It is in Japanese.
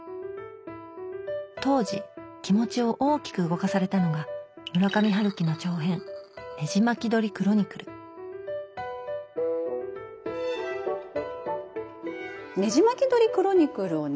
当時気持ちを大きく動かされたのが村上春樹の長編「ねじまき鳥クロニクル」「ねじまき鳥クロニクル」をね